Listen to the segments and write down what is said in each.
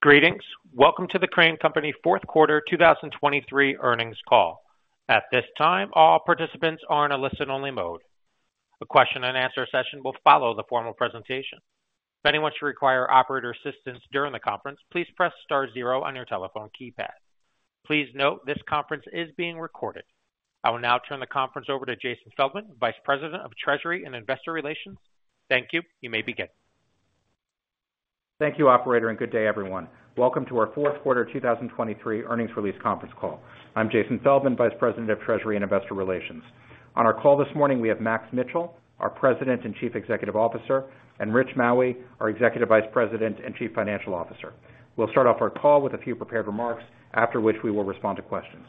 Greetings! Welcome to the Crane Company Fourth Quarter 2023 earnings call. At this time, all participants are in a listen-only mode. A question and answer session will follow the formal presentation. If anyone should require operator assistance during the conference, please press star zero on your telephone keypad. Please note, this conference is being recorded. I will now turn the conference over to Jason Feldman, Vice President of Treasury and Investor Relations. Thank you. You may begin. Thank you, operator, and good day, everyone. Welcome to our fourth quarter 2023 earnings release conference call. I'm Jason Feldman, Vice President of Treasury and Investor Relations. On our call this morning, we have Max Mitchell, our President and Chief Executive Officer, and Rich Maue, our Executive Vice President and Chief Financial Officer. We'll start off our call with a few prepared remarks, after which we will respond to questions.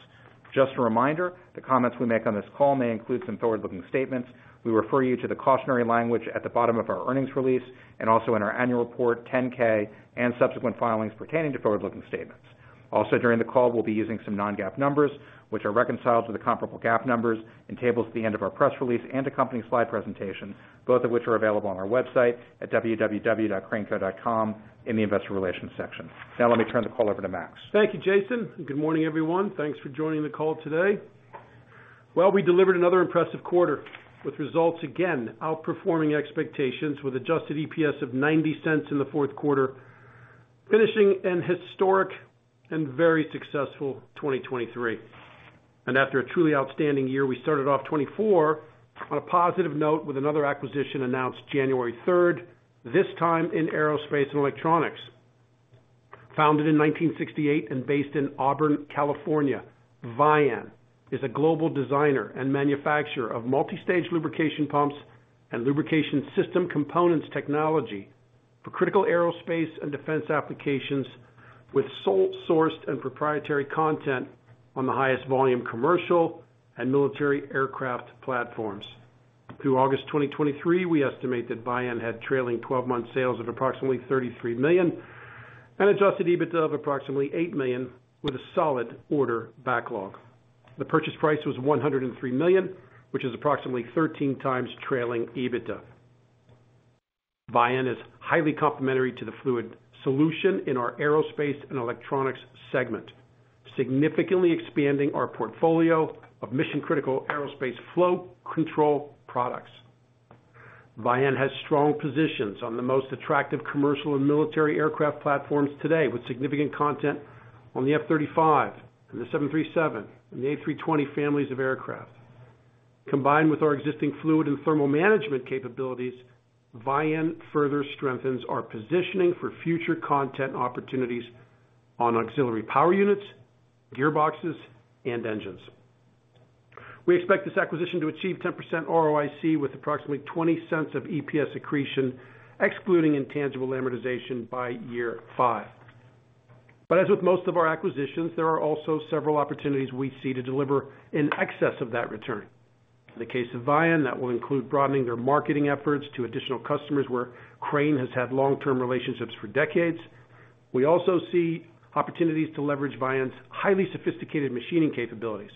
Just a reminder, the comments we make on this call may include some forward-looking statements. We refer you to the cautionary language at the bottom of our earnings release and also in our annual report, 10-K, and subsequent filings pertaining to forward-looking statements. Also, during the call, we'll be using some non-GAAP numbers, which are reconciled to the comparable GAAP numbers in tables at the end of our press release and accompanying slide presentation, both of which are available on our website at www.craneco.com in the Investor Relations section. Now, let me turn the call over to Max. Thank you, Jason. Good morning, everyone. Thanks for joining the call today. Well, we delivered another impressive quarter with results, again, outperforming expectations with Adjusted EPS of $0.90 in the fourth quarter, finishing an historic and very successful 2023. After a truly outstanding year, we started off 2024 on a positive note with another acquisition announced January 3rd, this time in aerospace and electronics. Founded in 1968 and based in Auburn, California, Vian is a global designer and manufacturer of multi-stage lubrication pumps and lubrication system components technology for critical aerospace and defense applications, with sole sourced and proprietary content on the highest volume, commercial and military aircraft platforms. Through August 2023, we estimate that Vian had trailing twelve-month sales of approximately $33 million and Adjusted EBITDA of approximately $8 million, with a solid order backlog. The purchase price was $103 million, which is approximately 13x trailing EBITDA. Vian is highly complementary to the fluid solution in our aerospace and electronics segment, significantly expanding our portfolio of mission-critical aerospace flow control products. Vian has strong positions on the most attractive commercial and military aircraft platforms today, with significant content on the F-35 and the 737 and the A320 families of aircraft. Combined with our existing fluid and thermal management capabilities, Vian further strengthens our positioning for future content opportunities on auxiliary power units, gearboxes, and engines. We expect this acquisition to achieve 10% ROIC, with approximately $0.20 of EPS accretion, excluding intangible amortization by year 5. But as with most of our acquisitions, there are also several opportunities we see to deliver in excess of that return. In the case of Vian, that will include broadening their marketing efforts to additional customers, where Crane has had long-term relationships for decades. We also see opportunities to leverage Vian's highly sophisticated machining capabilities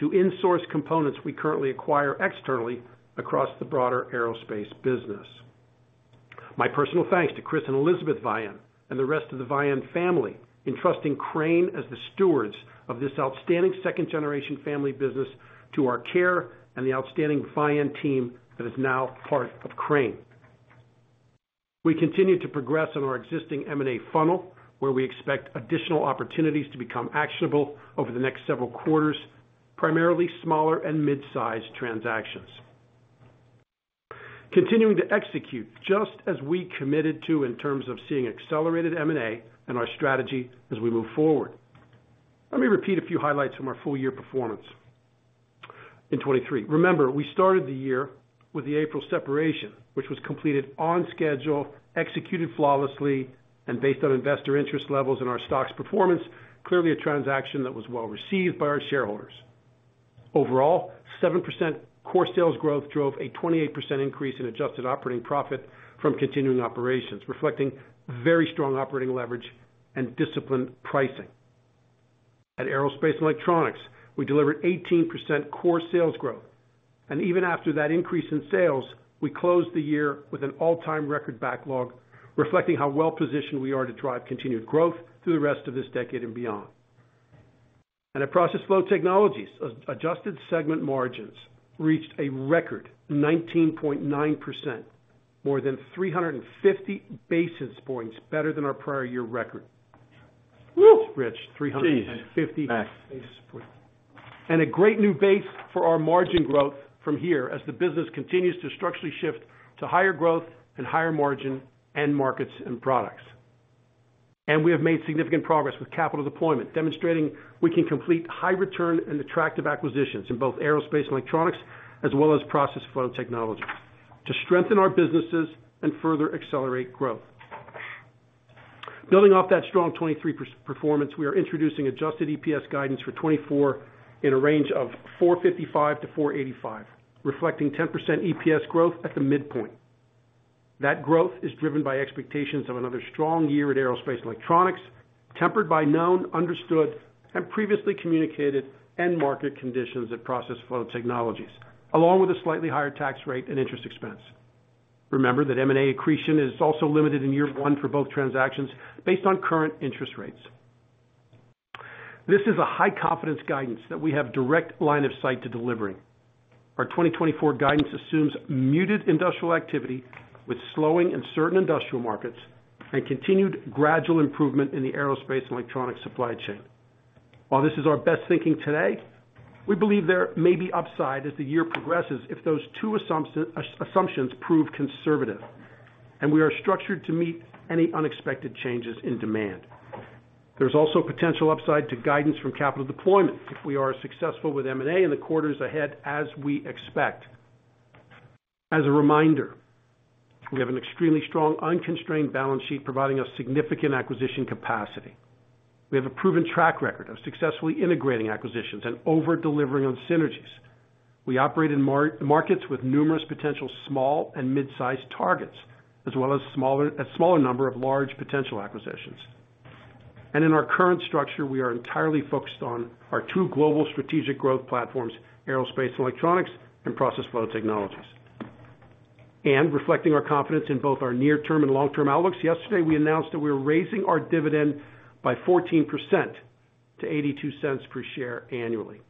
to insource components we currently acquire externally across the broader aerospace business. My personal thanks to Chris and Elizabeth Vian and the rest of the Vian family, in trusting Crane as the stewards of this outstanding second-generation family business to our care and the outstanding Vian team that is now part of Crane. We continue to progress on our existing M&A funnel, where we expect additional opportunities to become actionable over the next several quarters, primarily smaller and mid-sized transactions. Continuing to execute just as we committed to in terms of seeing accelerated M&A and our strategy as we move forward. Let me repeat a few highlights from our full year performance in 2023. Remember, we started the year with the April separation, which was completed on schedule, executed flawlessly, and based on investor interest levels and our stock's performance, clearly a transaction that was well received by our shareholders. Overall, 7% core sales growth drove a 28% increase in adjusted operating profit from continuing operations, reflecting very strong operating leverage and disciplined pricing. At Aerospace and Electronics, we delivered 18% core sales growth, and even after that increase in sales, we closed the year with an all-time record backlog, reflecting how well-positioned we are to drive continued growth through the rest of this decade and beyond. And at Process Flow Technologies, as adjusted segment margins reached a record 19.9%, more than 350 basis points better than our prior year record. Whoo! Rich, 350 basis points. Geez, Max. And a great new base for our margin growth from here as the business continues to structurally shift to higher growth and higher margin end markets and products. And we have made significant progress with capital deployment, demonstrating we can complete high return and attractive acquisitions in both aerospace and electronics, as well as process flow technologies, to strengthen our businesses and further accelerate growth. Building off that strong 2023 performance, we are introducing adjusted EPS guidance for 2024 in a range of $4.55-$4.85, reflecting 10% EPS growth at the midpoint. That growth is driven by expectations of another strong year at aerospace and electronics, tempered by known, understood, and previously communicated end market conditions at Process Flow Technologies, along with a slightly higher tax rate and interest expense. Remember that M&A accretion is also limited in year one for both transactions based on current interest rates. This is a high confidence guidance that we have direct line of sight to delivering. Our 2024 guidance assumes muted industrial activity, with slowing in certain industrial markets and continued gradual improvement in the aerospace and electronics supply chain. While this is our best thinking today, we believe there may be upside as the year progresses if those two assumptions prove conservative, and we are structured to meet any unexpected changes in demand. There's also potential upside to guidance from capital deployment if we are successful with M&A in the quarters ahead, as we expect. As a reminder, we have an extremely strong, unconstrained balance sheet, providing us significant acquisition capacity. We have a proven track record of successfully integrating acquisitions and over-delivering on synergies. We operate in markets with numerous potential small and mid-sized targets, as well as smaller, a smaller number of large potential acquisitions. In our current structure, we are entirely focused on our two global strategic growth platforms, Aerospace and Electronics, and Process Flow Technologies. Reflecting our confidence in both our near-term and long-term outlooks, yesterday, we announced that we are raising our dividend by 14% to $0.82 per share annually.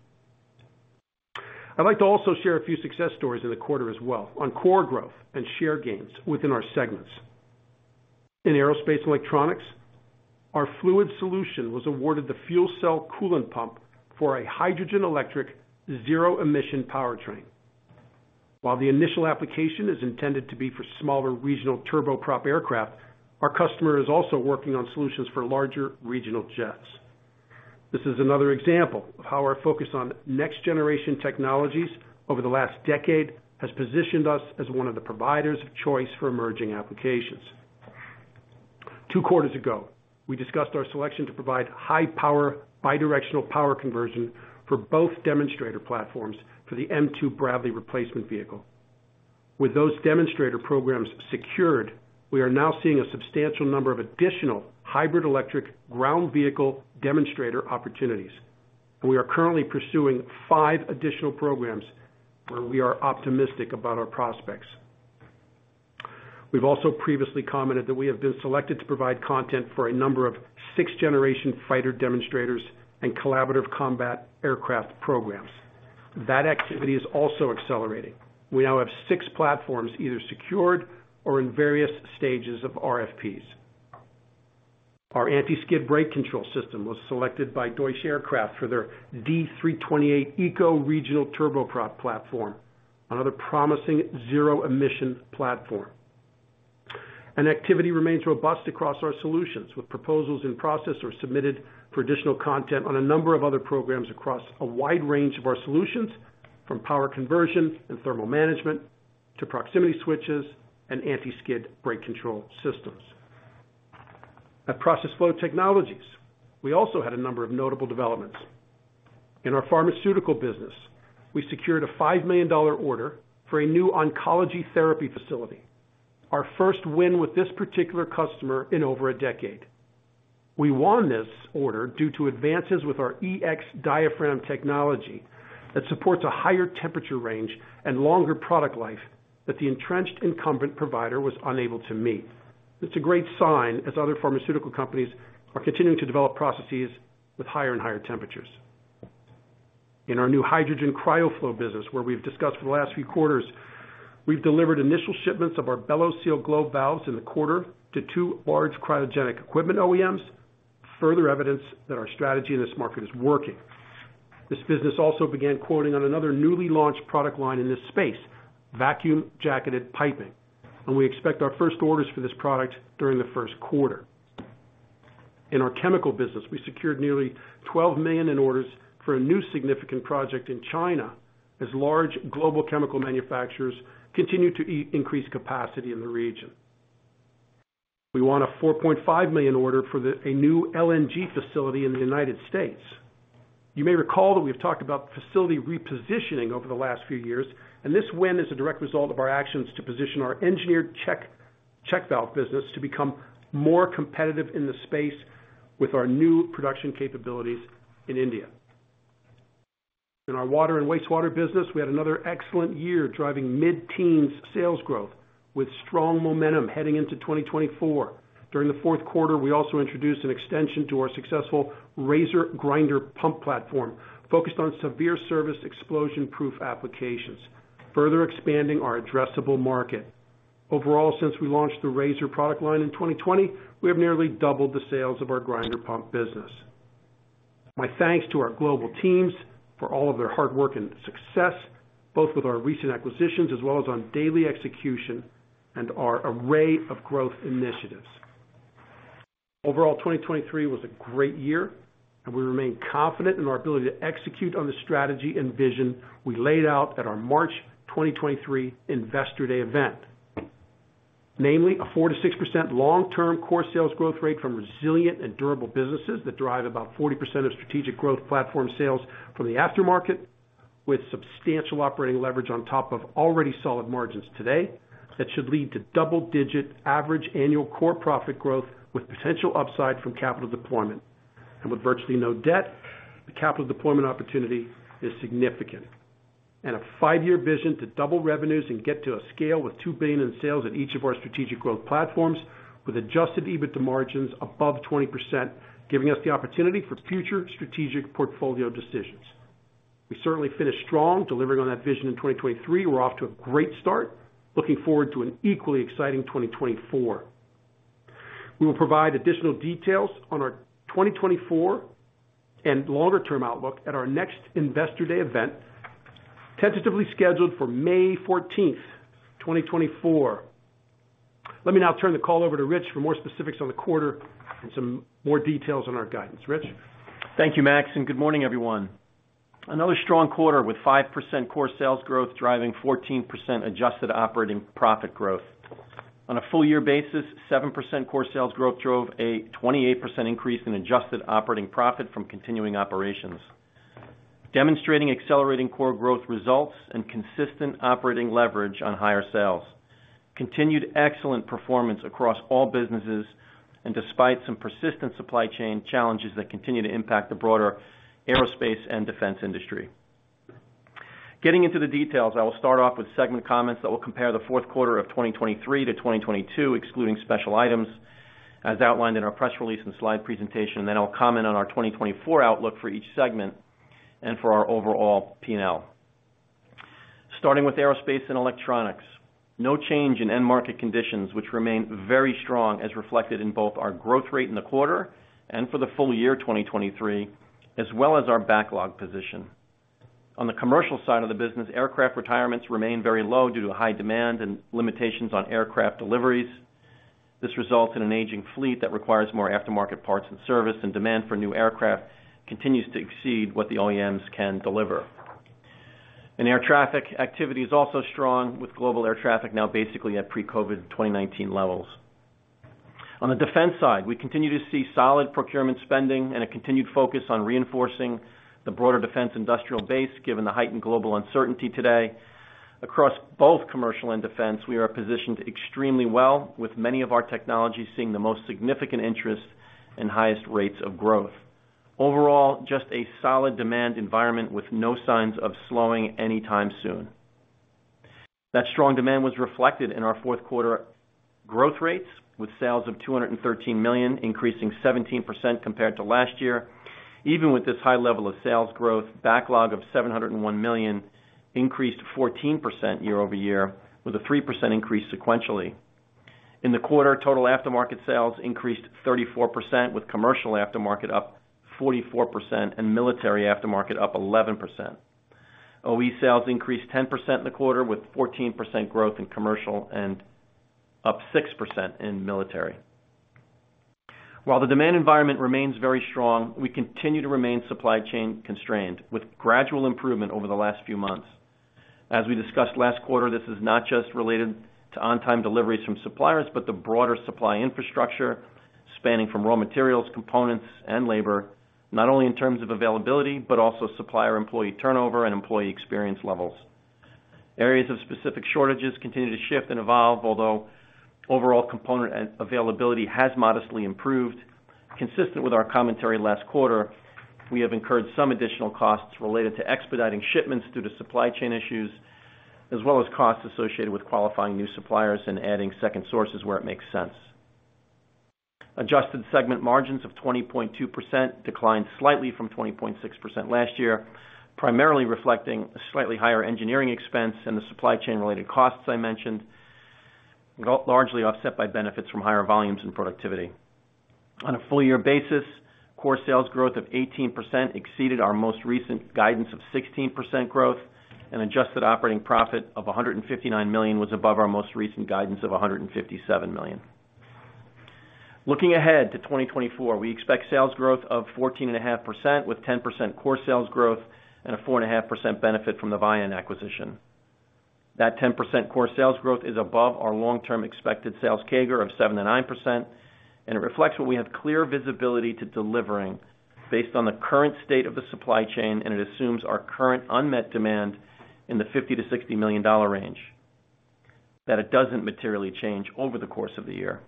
I'd like to also share a few success stories in the quarter as well on core growth and share gains within our segments. In Aerospace and Electronics, our fluid solution was awarded the fuel cell coolant pump for a hydrogen electric zero emission powertrain. While the initial application is intended to be for smaller regional turboprop aircraft, our customer is also working on solutions for larger regional jets. This is another example of how our focus on next generation technologies over the last decade has positioned us as one of the providers of choice for emerging applications. 2 quarters ago, we discussed our selection to provide high power, bidirectional power conversion for both demonstrator platforms for the M2 Bradley replacement vehicle. With those demonstrator programs secured, we are now seeing a substantial number of additional hybrid, electric ground vehicle demonstrator opportunities. We are currently pursuing 5 additional programs, where we are optimistic about our prospects. We've also previously commented that we have been selected to provide content for a number of sixth-generation fighter demonstrators and collaborative combat aircraft programs. That activity is also accelerating. We now have 6 platforms, either secured or in various stages of RFPs. Our anti-skid brake control system was selected by Deutsche Aircraft for their D328eco regional turboprop platform, another promising zero emission platform. Activity remains robust across our solutions, with proposals in process or submitted for additional content on a number of other programs across a wide range of our solutions, from power conversion and thermal management to proximity switches and anti-skid brake control systems. At Process Flow Technologies, we also had a number of notable developments. In our pharmaceutical business, we secured a $5 million order for a new oncology therapy facility, our first win with this particular customer in over a decade. We won this order due to advances with our EX diaphragm technology that supports a higher temperature range and longer product life that the entrenched incumbent provider was unable to meet. It's a great sign, as other pharmaceutical companies are continuing to develop processes with higher and higher temperatures. In our new hydrogen cryo flow business, where we've discussed for the last few quarters, we've delivered initial shipments of our bellows seal globe valves in the quarter to two large cryogenic equipment OEMs. Further evidence that our strategy in this market is working. This business also began quoting on another newly launched product line in this space, vacuum jacketed piping, and we expect our first orders for this product during the first quarter. In our chemical business, we secured nearly $12 million in orders for a new significant project in China, as large global chemical manufacturers continue to increase capacity in the region. We won a $4.5 million order for a new LNG facility in the United States. You may recall that we've talked about facility repositioning over the last few years, and this win is a direct result of our actions to position our engineered check valve business to become more competitive in the space with our new production capabilities in India. In our water and wastewater business, we had another excellent year, driving mid-teens sales growth with strong momentum heading into 2024. During the fourth quarter, we also introduced an extension to our successful Razor grinder pump platform, focused on severe service explosion-proof applications, further expanding our addressable market. Overall, since we launched the Razor product line in 2020, we have nearly doubled the sales of our grinder pump business. My thanks to our global teams for all of their hard work and success, both with our recent acquisitions as well as on daily execution and our array of growth initiatives. Overall, 2023 was a great year, and we remain confident in our ability to execute on the strategy and vision we laid out at our March 2023 Investor Day event. Namely, a 4%-6% long-term core sales growth rate from resilient and durable businesses that drive about 40% of strategic growth platform sales from the aftermarket, with substantial operating leverage on top of already solid margins today. That should lead to double-digit average annual core profit growth, with potential upside from capital deployment... and with virtually no debt, the capital deployment opportunity is significant. And a five year vision to double revenues and get to a scale with $2 billion in sales at each of our strategic growth platforms, with adjusted EBITDA margins above 20%, giving us the opportunity for future strategic portfolio decisions. We certainly finished strong, delivering on that vision in 2023. We're off to a great start, looking forward to an equally exciting 2024. We will provide additional details on our 2024 and longer-term outlook at our next Investor Day event, tentatively scheduled for May 14th, 2024. Let me now turn the call over to Rich for more specifics on the quarter and some more details on our guidance. Rich? Thank you, Max, and good morning, everyone. Another strong quarter with 5% core sales growth, driving 14% adjusted operating profit growth. On a full year basis, 7% core sales growth drove a 28% increase in adjusted operating profit from continuing operations, demonstrating accelerating core growth results and consistent operating leverage on higher sales, continued excellent performance across all businesses, and despite some persistent supply chain challenges that continue to impact the broader aerospace and defense industry. Getting into the details, I will start off with segment comments that will compare the fourth quarter of 2023 to 2022, excluding special items, as outlined in our press release and slide presentation. Then I'll comment on our 2024 outlook for each segment and for our overall P&L. Starting with aerospace and electronics, no change in end market conditions, which remain very strong, as reflected in both our growth rate in the quarter and for the full year, 2023, as well as our backlog position. On the commercial side of the business, aircraft retirements remain very low due to high demand and limitations on aircraft deliveries. This results in an aging fleet that requires more aftermarket parts and service, and demand for new aircraft continues to exceed what the OEMs can deliver. Air traffic activity is also strong, with global air traffic now basically at pre-COVID 2019 levels. On the defense side, we continue to see solid procurement spending and a continued focus on reinforcing the broader defense industrial base, given the heightened global uncertainty today. Across both commercial and defense, we are positioned extremely well, with many of our technologies seeing the most significant interest and highest rates of growth. Overall, just a solid demand environment with no signs of slowing anytime soon. That strong demand was reflected in our fourth quarter growth rates, with sales of $213 million, increasing 17% compared to last year. Even with this high level of sales growth, backlog of $701 million increased 14% year-over-year, with a 3% increase sequentially. In the quarter, total aftermarket sales increased 34%, with commercial aftermarket up 44% and military aftermarket up 11%. OE sales increased 10% in the quarter, with 14% growth in commercial and up 6% in military. While the demand environment remains very strong, we continue to remain supply chain constrained, with gradual improvement over the last few months. As we discussed last quarter, this is not just related to on-time deliveries from suppliers, but the broader supply infrastructure, spanning from raw materials, components, and labor, not only in terms of availability, but also supplier employee turnover and employee experience levels. Areas of specific shortages continue to shift and evolve, although overall component availability has modestly improved. Consistent with our commentary last quarter, we have incurred some additional costs related to expediting shipments due to supply chain issues, as well as costs associated with qualifying new suppliers and adding second sources where it makes sense. Adjusted segment margins of 20.2% declined slightly from 20.6% last year, primarily reflecting a slightly higher engineering expense and the supply chain-related costs I mentioned, largely offset by benefits from higher volumes and productivity. On a full year basis, core sales growth of 18% exceeded our most recent guidance of 16% growth, and adjusted operating profit of $159 million was above our most recent guidance of $157 million. Looking ahead to 2024, we expect sales growth of 14.5%, with 10% core sales growth and a 4.5% benefit from the Vian acquisition. That 10% core sales growth is above our long-term expected sales CAGR of 7%-9%, and it reflects what we have clear visibility to delivering based on the current state of the supply chain, and it assumes our current unmet demand in the $50-$60 million range, that it doesn't materially change over the course of the year.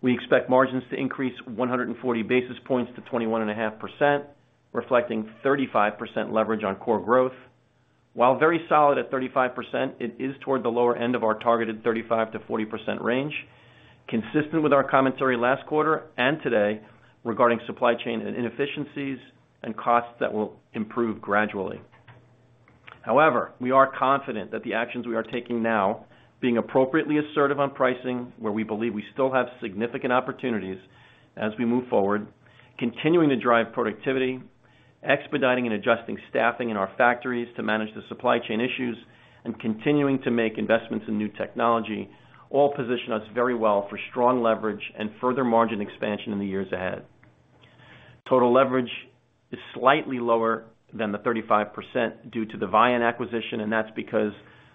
We expect margins to increase 140 basis points to 21.5%, reflecting 35% leverage on core growth. While very solid at 35%, it is toward the lower end of our targeted 35%-40% range, consistent with our commentary last quarter and today regarding supply chain and inefficiencies and costs that will improve gradually. However, we are confident that the actions we are taking now, being appropriately assertive on pricing, where we believe we still have significant opportunities as we move forward, continuing to drive productivity, expediting and adjusting staffing in our factories to manage the supply chain issues, and continuing to make investments in new technology, all position us very well for strong leverage and further margin expansion in the years ahead. Total leverage is slightly lower than the 35% due to the Vian acquisition, and that's because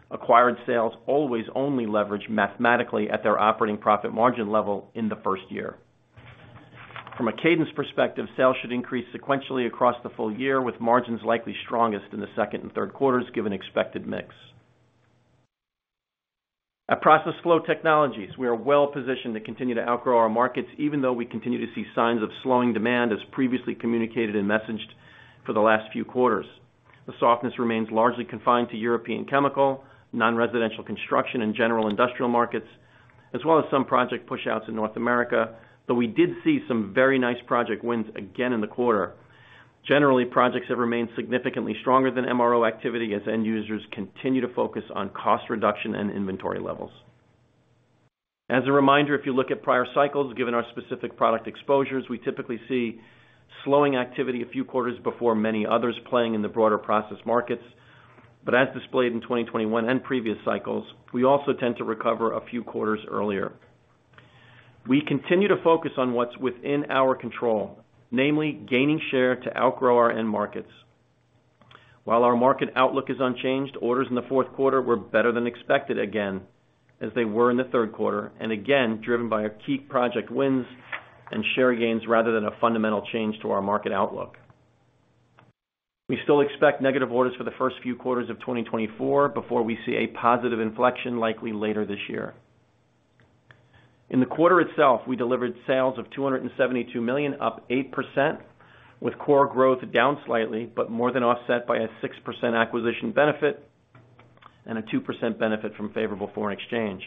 acquired sales always only leverage mathematically at their operating profit margin level in the first year. From a cadence perspective, sales should increase sequentially across the full year, with margins likely strongest in the second and third quarters, given expected mix. At Process Flow Technologies, we are well positioned to continue to outgrow our markets, even though we continue to see signs of slowing demand, as previously communicated and messaged for the last few quarters. The softness remains largely confined to European chemical, non-residential construction, and general industrial markets, as well as some project pushouts in North America, but we did see some very nice project wins again in the quarter. Generally, projects have remained significantly stronger than MRO activity as end users continue to focus on cost reduction and inventory levels. As a reminder, if you look at prior cycles, given our specific product exposures, we typically see slowing activity a few quarters before many others playing in the broader process markets, but as displayed in 2021 and previous cycles, we also tend to recover a few quarters earlier. We continue to focus on what's within our control, namely gaining share to outgrow our end markets. While our market outlook is unchanged, orders in the fourth quarter were better than expected again, as they were in the third quarter, and again, driven by our key project wins and share gains rather than a fundamental change to our market outlook. We still expect negative orders for the first few quarters of 2024 before we see a positive inflection, likely later this year. In the quarter itself, we delivered sales of $272 million, up 8%, with core growth down slightly, but more than offset by a 6% acquisition benefit and a 2% benefit from favorable foreign exchange.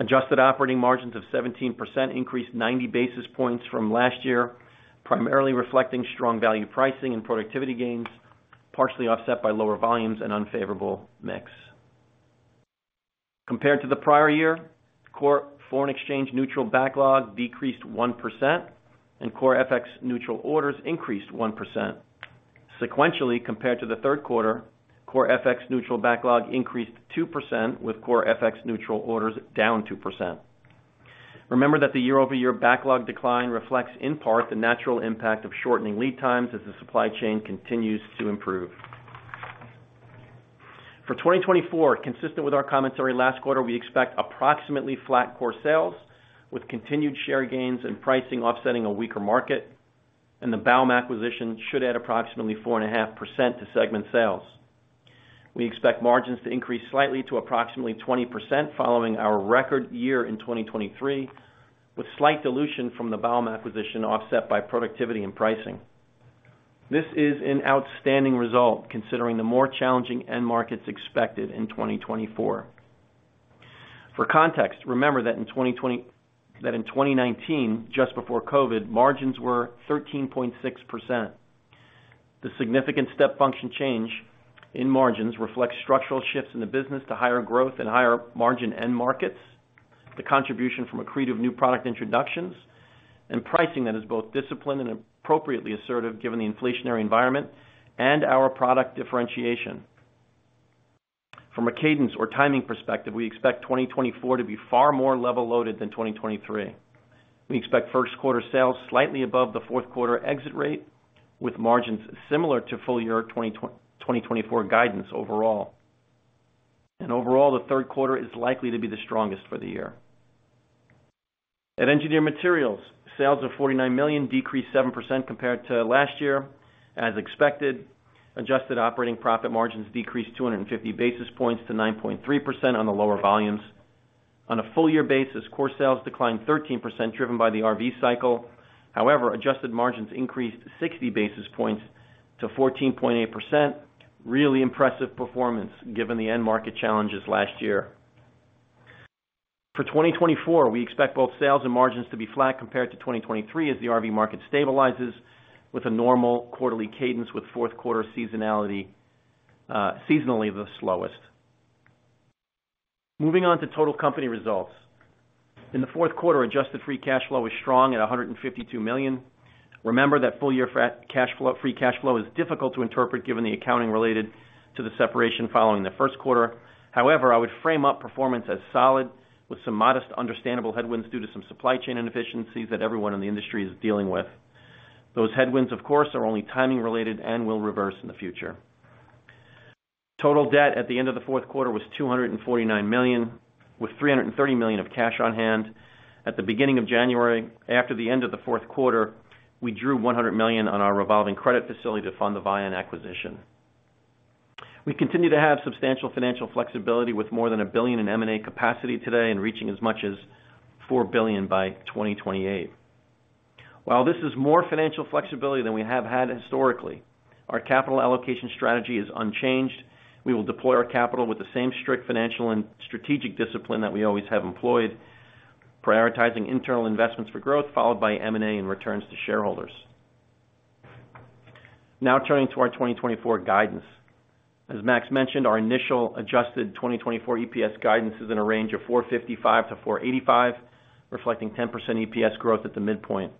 Adjusted operating margins of 17% increased 90 basis points from last year, primarily reflecting strong value pricing and productivity gains, partially offset by lower volumes and unfavorable mix. Compared to the prior year, core foreign exchange neutral backlog decreased 1% and core FX neutral orders increased 1%. Sequentially, compared to the third quarter, core FX neutral backlog increased 2%, with core FX neutral orders down 2%. Remember that the year-over-year backlog decline reflects, in part, the natural impact of shortening lead times as the supply chain continues to improve. For 2024, consistent with our commentary last quarter, we expect approximately flat core sales, with continued share gains and pricing offsetting a weaker market, and the Baum acquisition should add approximately 4.5% to segment sales. We expect margins to increase slightly to approximately 20% following our record year in 2023, with slight dilution from the Baum acquisition, offset by productivity and pricing. This is an outstanding result, considering the more challenging end markets expected in 2024. For context, remember that in 2019, just before COVID, margins were 13.6%. The significant step function change in margins reflects structural shifts in the business to higher growth and higher margin end markets, the contribution from accretive new product introductions, and pricing that is both disciplined and appropriately assertive given the inflationary environment and our product differentiation. From a cadence or timing perspective, we expect 2024 to be far more level-loaded than 2023. We expect first quarter sales slightly above the fourth quarter exit rate, with margins similar to full year 2024 guidance overall. Overall, the third quarter is likely to be the strongest for the year. At Engineered Materials, sales of $49 million decreased 7% compared to last year. As expected, adjusted operating profit margins decreased 250 basis points to 9.3% on the lower volumes. On a full year basis, core sales declined 13%, driven by the RV cycle. However, adjusted margins increased 60 basis points to 14.8%. Really impressive performance, given the end market challenges last year. For 2024, we expect both sales and margins to be flat compared to 2023, as the RV market stabilizes with a normal quarterly cadence with fourth quarter seasonality, seasonally the slowest. Moving on to total company results. In the fourth quarter, adjusted free cash flow was strong at $152 million. Remember that full year free cash flow is difficult to interpret, given the accounting related to the separation following the first quarter. However, I would frame up performance as solid, with some modest, understandable headwinds due to some supply chain inefficiencies that everyone in the industry is dealing with. Those headwinds, of course, are only timing related and will reverse in the future. Total debt at the end of the fourth quarter was $249 million, with $330 million of cash on hand. At the beginning of January, after the end of the fourth quarter, we drew $100 million on our revolving credit facility to fund the Vian acquisition. We continue to have substantial financial flexibility, with more than $1 billion in M&A capacity today and reaching as much as $4 billion by 2028. While this is more financial flexibility than we have had historically, our capital allocation strategy is unchanged. We will deploy our capital with the same strict financial and strategic discipline that we always have employed, prioritizing internal investments for growth, followed by M&A and returns to shareholders. Now turning to our 2024 guidance. As Max mentioned, our initial adjusted 2024 EPS guidance is in a range of $4.55-$4.85, reflecting 10% EPS growth at the midpoint.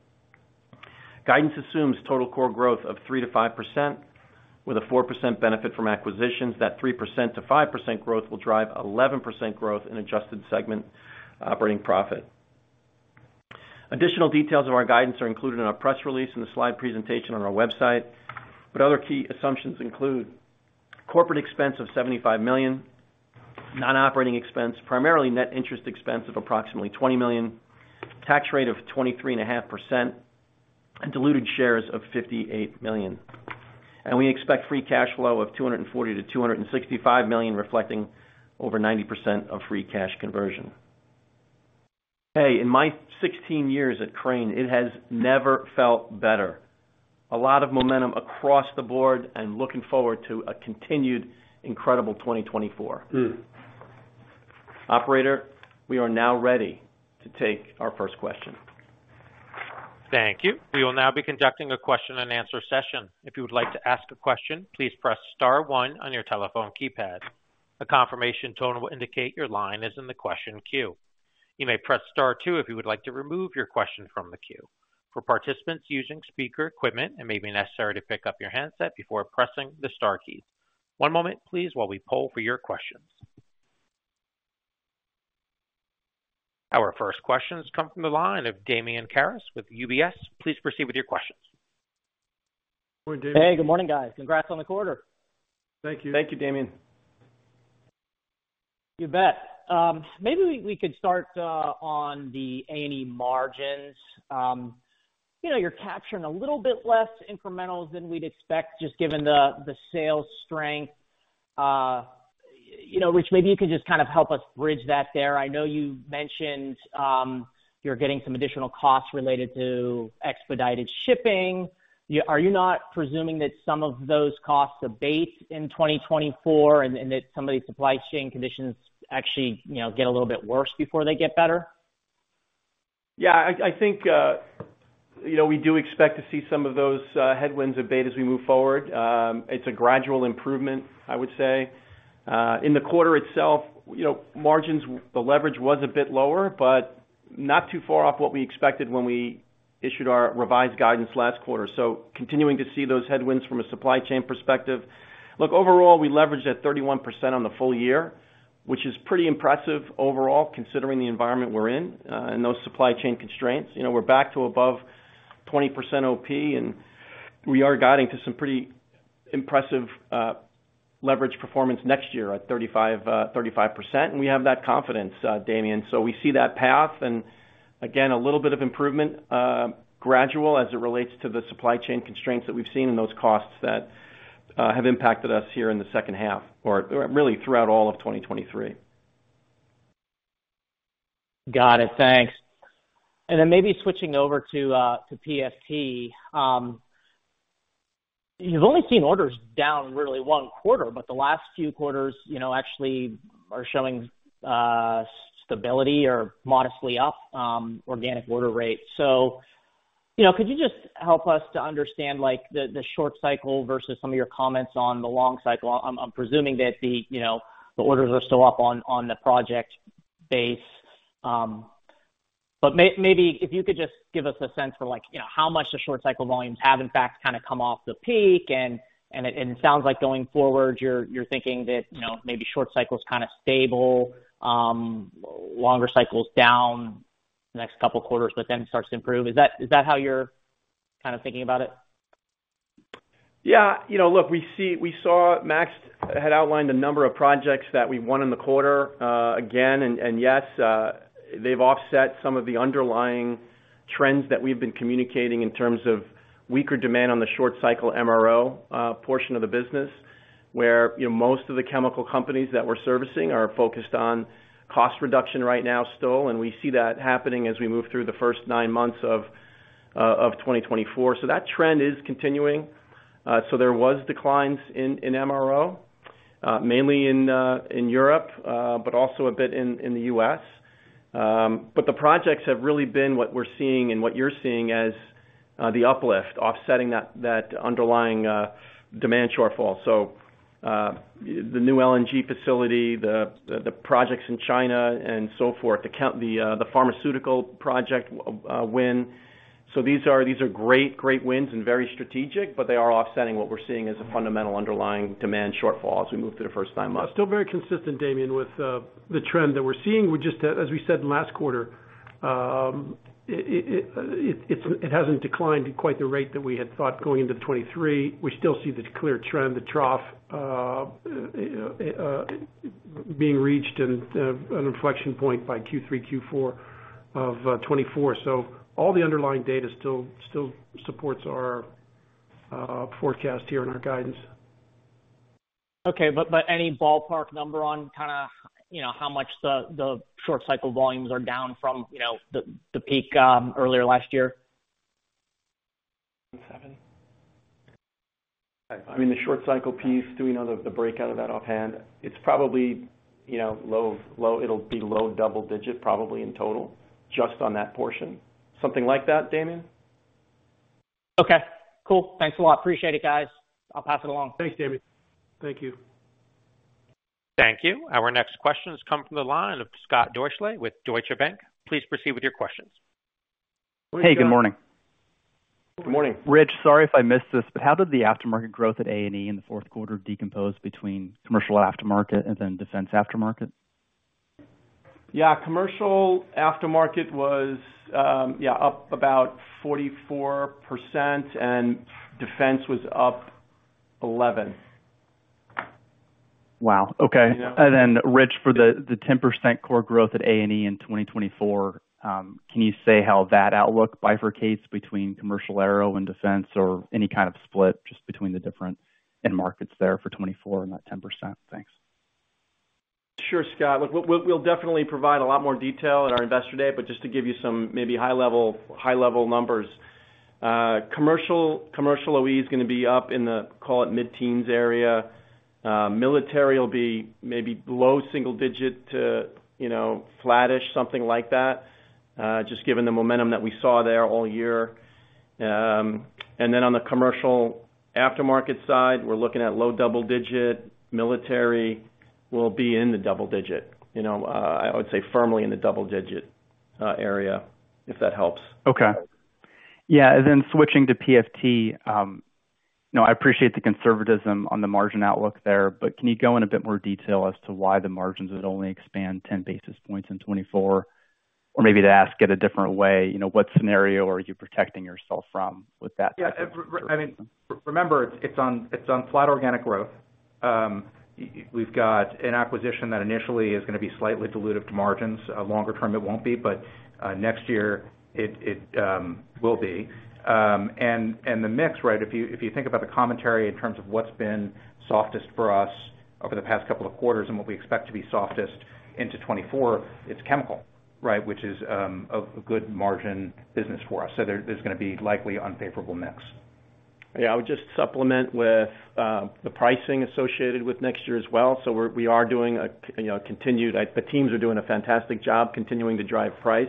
Guidance assumes total core growth of 3%-5%, with a 4% benefit from acquisitions. That 3%-5% growth will drive 11% growth in adjusted segment operating profit. Additional details of our guidance are included in our press release and the slide presentation on our website, but other key assumptions include: corporate expense of $75 million, non-operating expense, primarily net interest expense of approximately $20 million, tax rate of 23.5%, and diluted shares of 58 million. And we expect free cash flow of $240 million-$265 million, reflecting over 90% of free cash conversion. Hey, in my 16 years at Crane, it has never felt better. A lot of momentum across the board and looking forward to a continued incredible 2024. Operator, we are now ready to take our first question. Thank you. We will now be conducting a question-and-answer session. If you would like to ask a question, please press star one on your telephone keypad. A confirmation tone will indicate your line is in the question queue. You may press star two if you would like to remove your question from the queue. For participants using speaker equipment, it may be necessary to pick up your handset before pressing the star key. One moment, please, while we poll for your questions. Our first questions come from the line of Damian Karas with UBS. Please proceed with your questions. Hey, good morning, guys. Congrats on the quarter. Thank you. Thank you, Damian. You bet. Maybe we, we could start on the A&E margins. You know, you're capturing a little bit less incrementals than we'd expect, just given the, the sales strength, you know, which maybe you could just kind of help us bridge that there. I know you mentioned, you're getting some additional costs related to expedited shipping. Are you not presuming that some of those costs abate in 2024, and, and that some of these supply chain conditions actually, you know, get a little bit worse before they get better? Yeah, I think, you know, we do expect to see some of those headwinds abate as we move forward. It's a gradual improvement, I would say. In the quarter itself, you know, margins, the leverage was a bit lower, but not too far off what we expected when we issued our revised guidance last quarter. So continuing to see those headwinds from a supply chain perspective. Look, overall, we leveraged at 31% on the full year, which is pretty impressive overall, considering the environment we're in, and those supply chain constraints. You know, we're back to above 20% OP, and we are guiding to some pretty impressive, leverage performance next year at 35, 35%. And we have that confidence, Damian. We see that path, and again, a little bit of improvement, gradual as it relates to the supply chain constraints that we've seen and those costs that have impacted us here in the second half, or really throughout all of 2023. Got it. Thanks. And then maybe switching over to PFT. You've only seen orders down really one quarter, but the last few quarters, you know, actually are showing stability or modestly up organic order rates. So, you know, could you just help us to understand, like, the short cycle versus some of your comments on the long cycle? I'm presuming that the, you know, the orders are still up on the project base. But maybe if you could just give us a sense for, like, you know, how much the short cycle volumes have, in fact, kind of come off the peak. And it sounds like going forward, you're thinking that, you know, maybe short cycle is kind of stable, longer cycles down the next couple of quarters, but then starts to improve. Is that, is that how you're kind of thinking about it? Yeah. You know, look, we saw Max had outlined a number of projects that we've won in the quarter, again, and yes, they've offset some of the underlying trends that we've been communicating in terms of weaker demand on the short cycle MRO portion of the business, where, you know, most of the chemical companies that we're servicing are focused on cost reduction right now, still, and we see that happening as we move through the first nine months of 2024. So that trend is continuing. So there was declines in MRO, mainly in Europe, but also a bit in the U.S. But the projects have really been what we're seeing and what you're seeing as the uplift, offsetting that underlying demand shortfall. So, the new LNG facility, the projects in China, and so forth, the pharmaceutical project win. So these are, these are great, great wins and very strategic, but they are offsetting what we're seeing as a fundamental underlying demand shortfall as we move through the first nine months. Still very consistent, Damian, with the trend that we're seeing. We just, as we said last quarter, it hasn't declined at quite the rate that we had thought going into 2023. We still see the clear trend, the trough being reached and an inflection point by Q3, Q4 of 2024. So all the underlying data still supports our forecast here and our guidance. Okay, but any ballpark number on kind of, you know, how much the short cycle volumes are down from, you know, the peak earlier last year? Seven. I mean, the short cycle piece, do we know the breakout of that offhand? It's probably, you know, low double digit, probably in total, just on that portion. Something like that, Damian? Okay, cool. Thanks a lot. Appreciate it, guys. I'll pass it along. Thanks, Damian. Thank you. Thank you. Our next question has come from the line of Scott Deuschle with Deutsche Bank. Please proceed with your questions. Hey, good morning. Good morning. Rich, sorry if I missed this, but how did the aftermarket growth at A&E in the fourth quarter decompose between commercial aftermarket and then defense aftermarket? Yeah, commercial aftermarket was, yeah, up about 44%, and defense was up 11%. Wow, okay. And then Rich, for the 10% core growth at A&E in 2024, can you say how that outlook bifurcates between commercial aero and defense or any kind of split just between the different end markets there for 2024 and that 10%? Thanks. Sure, Scott. Look, we'll definitely provide a lot more detail at our Investor Day, but just to give you some maybe high level numbers, commercial OE is gonna be up in the, call it, mid-teens area. Military will be maybe low single-digit to, you know, flattish, something like that, just given the momentum that we saw there all year. And then on the commercial aftermarket side, we're looking at low double-digit. Military will be in the double-digit, you know, I would say firmly in the double-digit area, if that helps. Okay. Yeah, and then switching to PFT. You know, I appreciate the conservatism on the margin outlook there, but can you go in a bit more detail as to why the margins would only expand 10 basis points in 2024? Or maybe to ask it a different way, you know, what scenario are you protecting yourself from with that? Yeah, I mean, remember, it's on flat organic growth. We've got an acquisition that initially is gonna be slightly dilutive to margins. Longer term, it won't be, but next year, it will be. And the mix, right? If you think about the commentary in terms of what's been softest for us over the past couple of quarters and what we expect to be softest into 2024, it's chemical, right? Which is a good margin business for us. So there's gonna be likely unfavorable mix. Yeah, I would just supplement with the pricing associated with next year as well. So we are doing a, you know, continued... Like, the teams are doing a fantastic job continuing to drive price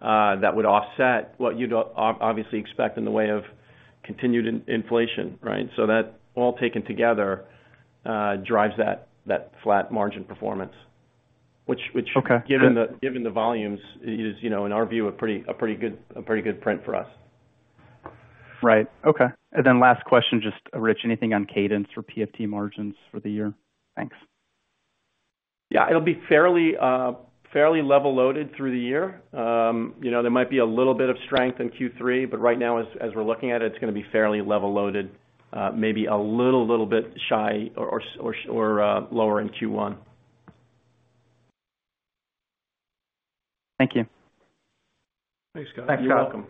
that would offset what you'd obviously expect in the way of continued inflation, right? So that all taken together drives that flat margin performance, which Okay. Given the volumes, you know, in our view, a pretty good print for us. Right. Okay. And then last question, just Rich, anything on cadence for PFT margins for the year? Thanks. Yeah, it'll be fairly, fairly level loaded through the year. You know, there might be a little bit of strength in Q3, but right now, as we're looking at it, it's gonna be fairly level loaded, maybe a little bit shy or lower in Q1. Thank you. Thanks, Scott. Thanks,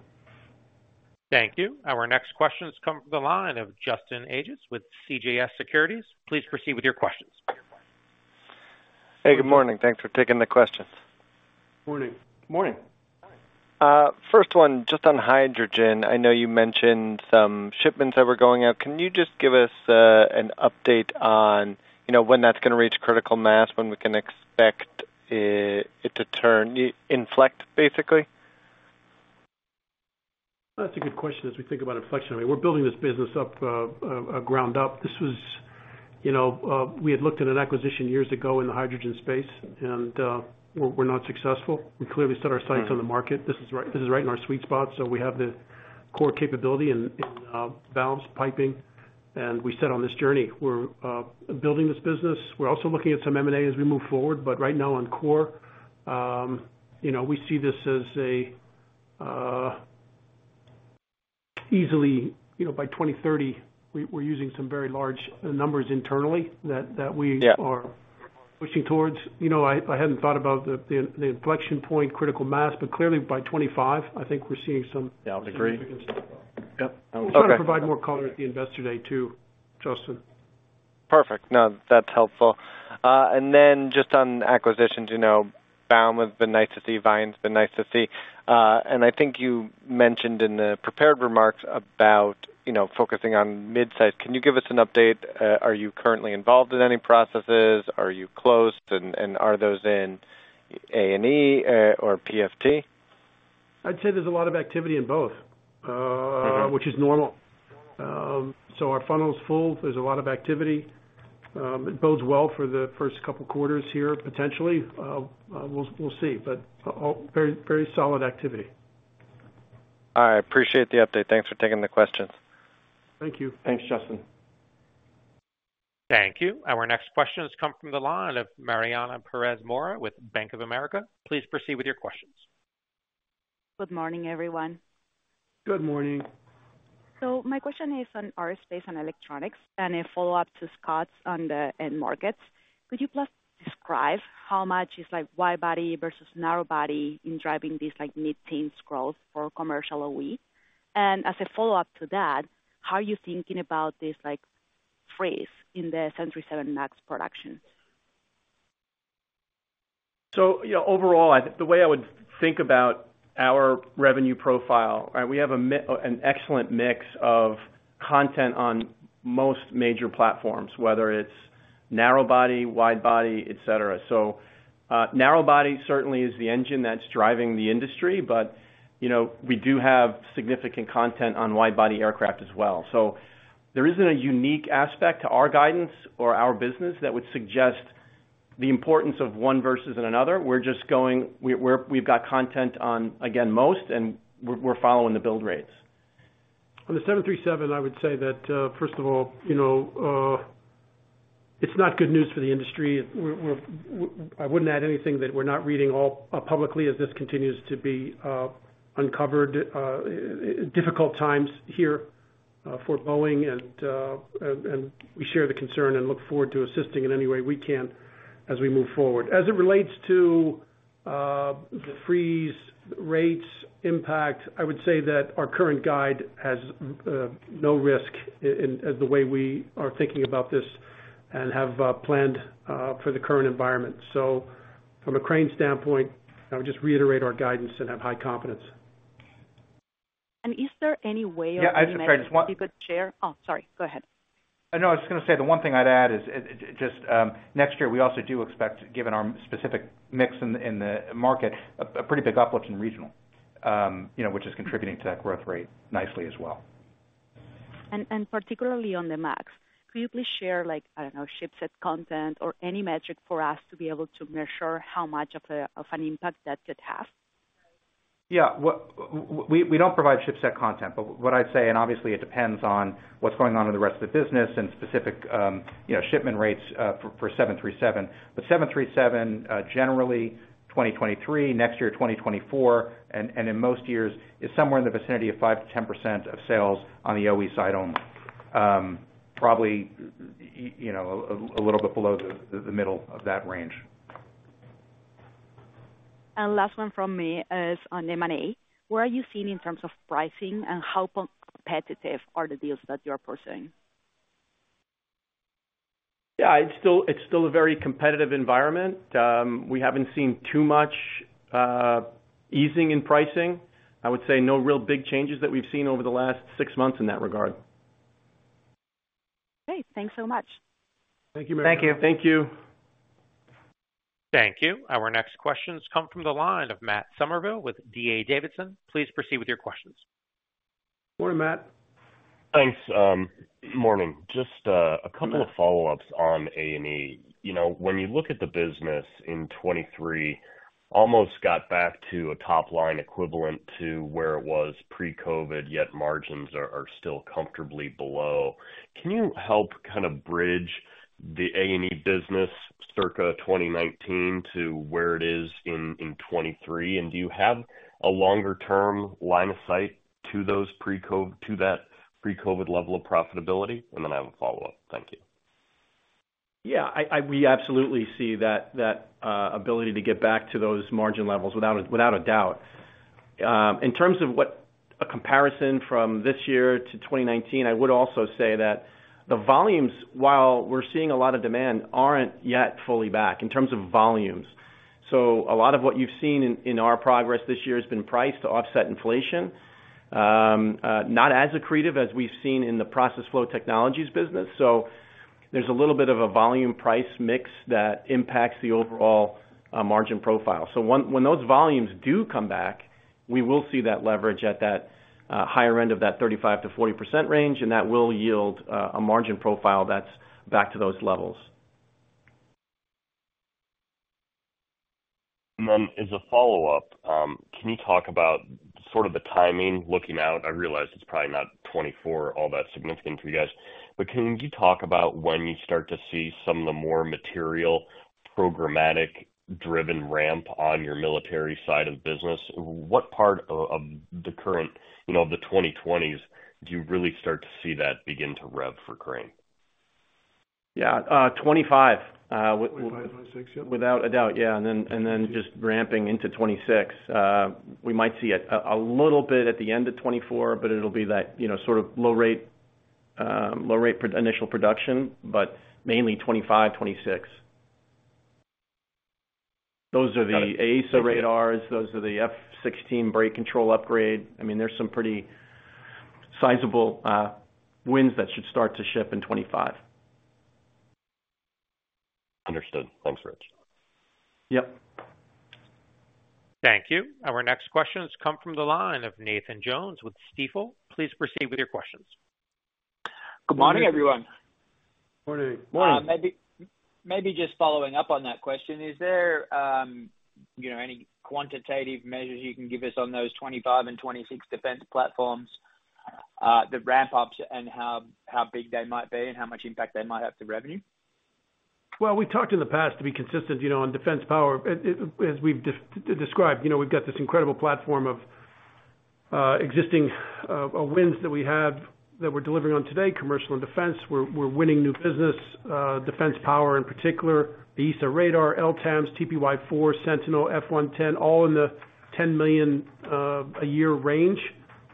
Scott. You're welcome. Thank you. Our next question has come from the line of Justin Ages with CJS Securities. Please proceed with your questions. Hey, good morning. Thanks for taking the questions. Morning. Morning. First one, just on hydrogen. I know you mentioned some shipments that were going out. Can you just give us an update on, you know, when that's gonna reach critical mass, when we can expect it to turn, inflect, basically? That's a good question. As we think about inflection, I mean, we're building this business up ground up. This was. You know, we had looked at an acquisition years ago in the hydrogen space, and we're not successful. We clearly set our sights on the market. This is right, this is right in our sweet spot, so we have the core capability in valves, piping, and we set on this journey. We're building this business. We're also looking at some M&A as we move forward, but right now, on core, you know, we see this as easily, you know, by 2030, we're using some very large numbers internally that we-... are pushing towards. You know, I hadn't thought about the inflection point, critical mass, but clearly by 25, I think we're seeing some- Yeah, I would agree. Significant... Yep. We'll try to provide more color at the Investor Day, too, Justin. Perfect. No, that's helpful. Then just on acquisitions, you know, Baum has been nice to see, Vian's been nice to see. I think you mentioned in the prepared remarks about, you know, focusing on midsize. Can you give us an update? Are you currently involved in any processes? Are you close, and are those in A&E, or PFT? I'd say there's a lot of activity in both.which is normal. So our funnel is full. There's a lot of activity. It bodes well for the first couple of quarters here, potentially. We'll see, but all very, very solid activity. I appreciate the update. Thanks for taking the questions. Thank you. Thanks, Justin. Thank you. Our next question has come from the line of Mariana Perez Mora with Bank of America. Please proceed with your questions. Good morning, everyone. Good morning. So my question is on our Aerospace and Electronics, and a follow-up to Scott's on the end markets. Could you please describe how much is, like, wide body versus narrow body in driving these, like, mid-teens growth for commercial OE? And as a follow-up to that, how are you thinking about this, like, ramp in the 737 MAX production? So, you know, overall, I think the way I would think about our revenue profile, right, we have an excellent mix of content on most major platforms, whether it's narrow body, wide body, et cetera. So, narrow body certainly is the engine that's driving the industry, but, you know, we do have significant content on wide body aircraft as well. So there isn't a unique aspect to our guidance or our business that would suggest the importance of one versus in another. We're just going. We've got content on, again, most, and we're following the build rates. On the 737, I would say that, first of all, you know, it's not good news for the industry. I wouldn't add anything that we're not reading all publicly as this continues to be uncovered, difficult times here for Boeing, and we share the concern and look forward to assisting in any way we can as we move forward. As it relates to the freeze rates impact, I would say that our current guidance has no risk in it as the way we are thinking about this and have planned for the current environment. So from a Crane standpoint, I would just reiterate our guidance and have high confidence. Is there any way or any metric? Yeah, I just- You could share? Oh, sorry. Go ahead. I know, I was just gonna say, the one thing I'd add is, just next year, we also do expect, given our specific mix in the market, a pretty big uplift in regional, you know, which is contributing to that growth rate nicely as well. Particularly on the MAX, could you please share, like, I don't know, ship set content or any metric for us to be able to measure how much of an impact that could have? Yeah, we don't provide ship set content, but what I'd say, and obviously it depends on what's going on in the rest of the business and specific, you know, shipment rates for 737. But 737, generally 2023, next year, 2024, and in most years, is somewhere in the vicinity of 5%-10% of sales on the OE side only. Probably, you know, a little bit below the middle of that range. Last one from me is on M&A. What are you seeing in terms of pricing, and how competitive are the deals that you're pursuing? Yeah, it's still, it's still a very competitive environment. We haven't seen too much easing in pricing. I would say no real big changes that we've seen over the last six months in that regard. Great. Thanks so much. Thank you, Maria. Thank you. Thank you. Thank you. Our next questions come from the line of Matt Summerville with D.A. Davidson. Please proceed with your questions. Morning, Matt. Thanks, morning. Just a couple of follow-ups on A&E. You know, when you look at the business in 2023, almost got back to a top line equivalent to where it was pre-COVID, yet margins are, are still comfortably below. Can you help kind of bridge the A&E business circa 2019 to where it is in, in 2023? And do you have a longer-term line of sight to those pre-COVID, to that pre-COVID level of profitability? And then I have a follow-up. Thank you. Yeah, we absolutely see that ability to get back to those margin levels, without a doubt. In terms of what a comparison from this year to 2019, I would also say that the volumes, while we're seeing a lot of demand, aren't yet fully back in terms of volumes. So a lot of what you've seen in our progress this year has been priced to offset inflation, not as accretive as we've seen in the Process Flow Technologies business. So there's a little bit of a volume price mix that impacts the overall margin profile. So when those volumes do come back, we will see that leverage at that higher end of that 35%-40% range, and that will yield a margin profile that's back to those levels. And then as a follow-up, can you talk about sort of the timing looking out? I realize it's probably not 2024, all that significant for you guys. But can you talk about when you start to see some of the more material, programmatic, driven ramp on your military side of the business? What part of the current, you know, the 2020s, do you really start to see that begin to rev for Crane? Yeah, 25- 25, 26, yeah... Without a doubt, yeah, and then, and then just ramping into 2026. We might see it a little bit at the end of 2024, but it'll be that, you know, sort of low rate initial production, but mainly 2025, 2026. Those are the AESA radars, those are the F-16 brake control upgrade. I mean, there's some pretty sizable wins that should start to ship in 2025. Understood. Thanks, Rich. Yep. Thank you. Our next questions come from the line of Nathan Jones with Stifel. Please proceed with your questions. Good morning, everyone. Morning. Morning. Maybe just following up on that question, is there, you know, any quantitative measures you can give us on those 25 and 26 defense platforms, the ramp-ups and how big they might be and how much impact they might have to revenue? Well, we talked in the past, to be consistent, you know, on defense power. As we've described, you know, we've got this incredible platform of existing wins that we have, that we're delivering on today, commercial and defense. We're winning new business, defense power in particular, the AESA Radar, LTAMDS, TPY-4, Sentinel, F-110, all in the $10 million a year range.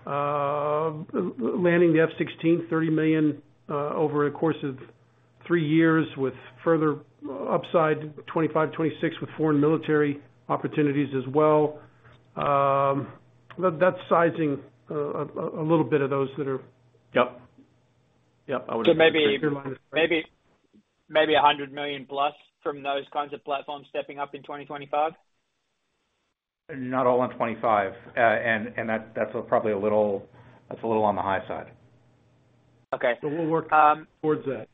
Landing the F-16, $30 million over the course of three years, with further upside, 2025, 2026, with foreign military opportunities as well. But that's sizing a little bit of those that are So maybe, maybe, maybe $100 million plus from those kinds of platforms stepping up in 2025? Not all in 25. And that's probably a little... That's a little on the high side. Okay, um- But we'll work towards that.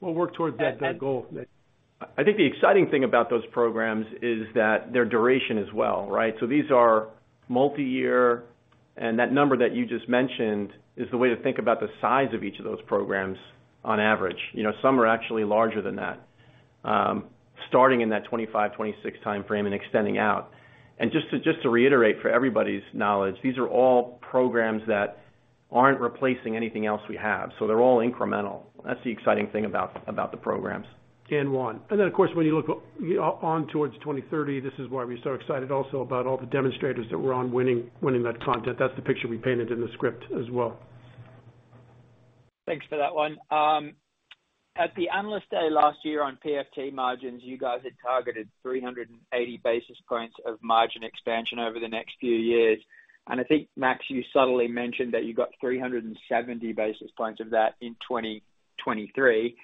We'll work towards that, that goal. I think the exciting thing about those programs is that their duration as well, right? So these are multiyear, and that number that you just mentioned is the way to think about the size of each of those programs on average. You know, some are actually larger than that.... Starting in that 2025, 2026 timeframe and extending out. And just to, just to reiterate for everybody's knowledge, these are all programs that aren't replacing anything else we have, so they're all incremental. That's the exciting thing about, about the programs. Then, of course, when you look on towards 2030, this is why we're so excited also about all the demonstrators that we're on winning, winning that content. That's the picture we painted in the script as well. Thanks for that one. At the Analyst Day last year on PFT margins, you guys had targeted 380 basis points of margin expansion over the next few years. And I think, Max, you subtly mentioned that you got 370 basis points of that in 2023.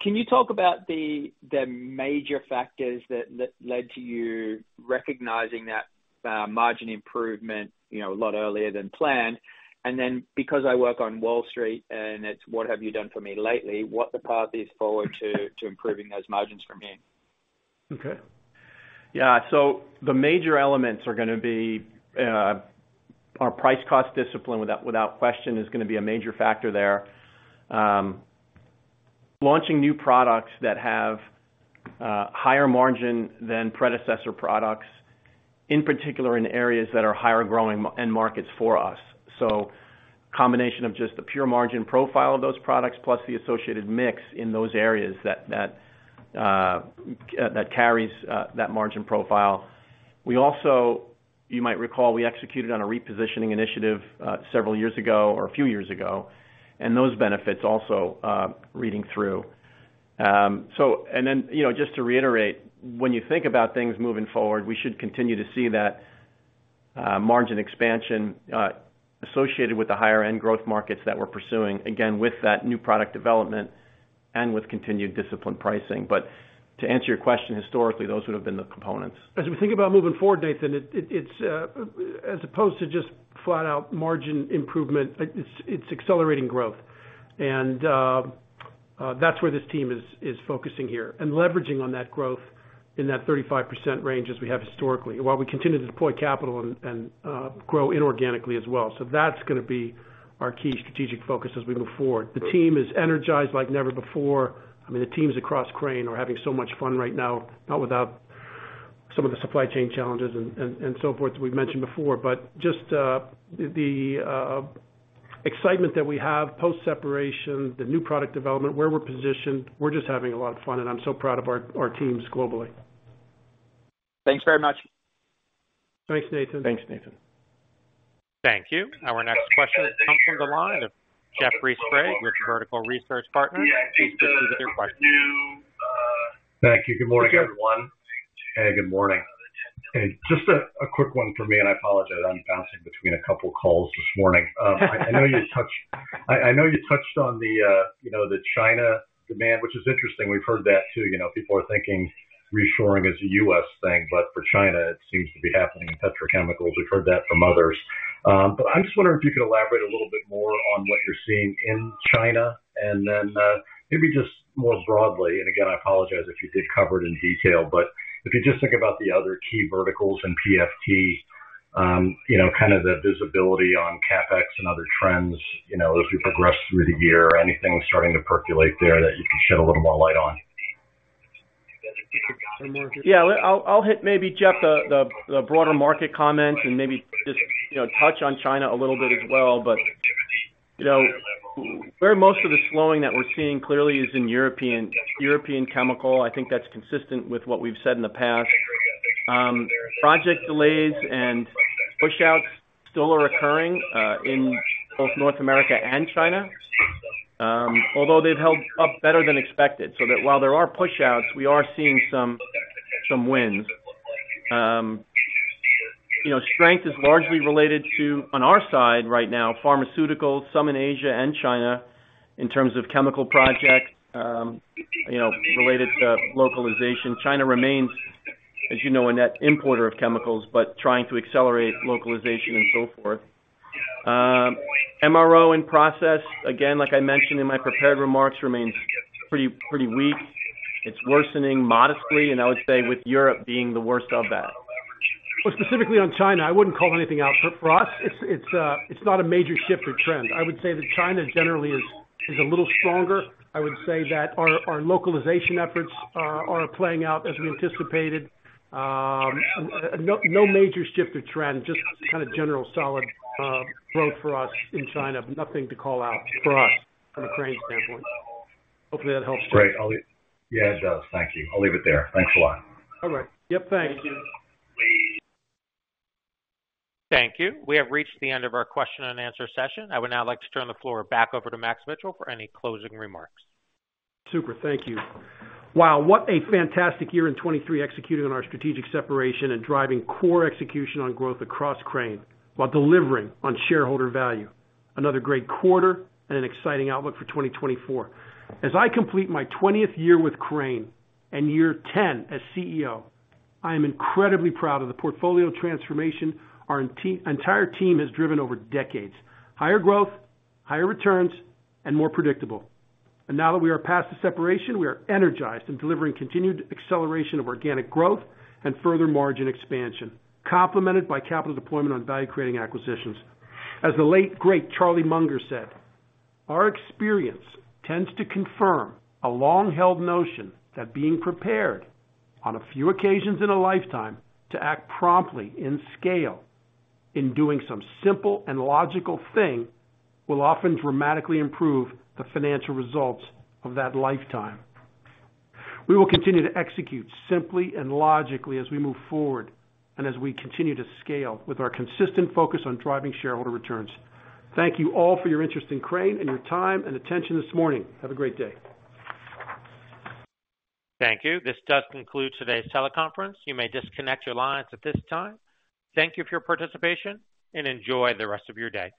Can you talk about the major factors that led to you recognizing that margin improvement, you know, a lot earlier than planned? And then, because I work on Wall Street, and it's what have you done for me lately, what the path is forward to improving those margins from here? Okay. Yeah, so the major elements are gonna be our price cost discipline, without question, is gonna be a major factor there. Launching new products that have higher margin than predecessor products, in particular, in areas that are higher growing end markets for us. So combination of just the pure margin profile of those products, plus the associated mix in those areas that that carries that margin profile. We also... You might recall, we executed on a repositioning initiative, several years ago or a few years ago, and those benefits also reading through. So and then, you know, just to reiterate, when you think about things moving forward, we should continue to see that margin expansion associated with the higher end growth markets that we're pursuing, again, with that new product development and with continued disciplined pricing. But to answer your question, historically, those would have been the components. As we think about moving forward, Nathan, it's as opposed to just flat out margin improvement, it's accelerating growth. And that's where this team is focusing here and leveraging on that growth in that 35% range as we have historically, while we continue to deploy capital and grow inorganically as well. So that's gonna be our key strategic focus as we move forward. The team is energized like never before. I mean, the teams across Crane are having so much fun right now, not without some of the supply chain challenges and so forth, we've mentioned before. But just the excitement that we have post-separation, the new product development, where we're positioned, we're just having a lot of fun, and I'm so proud of our teams globally. Thanks very much. Thanks, Nathan. Thanks, Nathan. Thank you. Our next question comes from the line of Jeffrey Sprague with Vertical Research Partners. Please proceed with your question. Thank you. Good morning, everyone. Hey, good morning. Just a quick one for me, and I apologize. I'm bouncing between a couple of calls this morning. I know you touched on the, you know, the China demand, which is interesting. We've heard that, too. You know, people are thinking reshoring is a U.S. thing, but for China, it seems to be happening in petrochemicals. We've heard that from others. But I'm just wondering if you could elaborate a little bit more on what you're seeing in China, and then, maybe just more broadly, and again, I apologize if you did cover it in detail, but if you just think about the other key verticals in PFT, you know, kind of the visibility on CapEx and other trends, you know, as we progress through the year, anything starting to percolate there that you can shed a little more light on? Yeah, I'll hit maybe, Jeff, the broader market comments and maybe just, you know, touch on China a little bit as well. But, you know, where most of the slowing that we're seeing clearly is in European chemical. I think that's consistent with what we've said in the past. Project delays and pushouts still are occurring in both North America and China, although they've held up better than expected. So that while there are pushouts, we are seeing some wins. You know, strength is largely related to, on our side right now, pharmaceuticals, some in Asia and China, in terms of chemical projects, you know, related to localization. China remains, as you know, a net importer of chemicals, but trying to accelerate localization and so forth. MRO in process, again, like I mentioned in my prepared remarks, remains pretty, pretty weak. It's worsening modestly, and I would say with Europe being the worst of that. Well, specifically on China, I wouldn't call anything out for us. It's not a major shift or trend. I would say that China generally is a little stronger. I would say that our localization efforts are playing out as we anticipated. No major shift or trend, just kind of general solid growth for us in China. Nothing to call out for us from a Crane standpoint. Hopefully, that helps. Great. I'll leave... Yeah, it does. Thank you. I'll leave it there. Thanks a lot. All right. Yep, thank you. Thank you. We have reached the end of our question and answer session. I would now like to turn the floor back over to Max Mitchell for any closing remarks. Super. Thank you. Wow, what a fantastic year in 2023, executing on our strategic separation and driving core execution on growth across Crane while delivering on shareholder value. Another great quarter and an exciting outlook for 2024. As I complete my 20th year with Crane and year 10 as CEO, I am incredibly proud of the portfolio transformation our entire team has driven over decades. Higher growth, higher returns, and more predictable. And now that we are past the separation, we are energized and delivering continued acceleration of organic growth and further margin expansion, complemented by capital deployment on value-creating acquisitions. As the late great Charlie Munger said, "Our experience tends to confirm a long-held notion that being prepared on a few occasions in a lifetime to act promptly in scale, in doing some simple and logical thing, will often dramatically improve the financial results of that lifetime." We will continue to execute simply and logically as we move forward and as we continue to scale with our consistent focus on driving shareholder returns. Thank you all for your interest in Crane and your time and attention this morning. Have a great day. Thank you. This does conclude today's teleconference. You may disconnect your lines at this time. Thank you for your participation and enjoy the rest of your day.